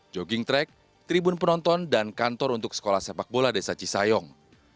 jogging track tribun penonton dan kantor untuk sekolah sepak bola desa cisayong